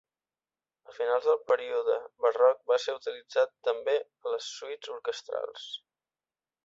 A finals del període barroc va ser utilitzat també a les suites orquestrals.